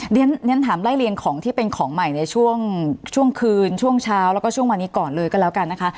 เรียนถามไล่เรียงของที่เป็นของใหม่ในช่วงคืนช่วงเช้าแล้วก็ช่วงวันนี้ก่อนเลยก็แล้วกันนะคะ